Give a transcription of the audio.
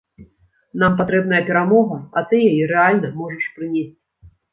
Нам патрэбная перамога, а ты яе рэальна можаш прынесці.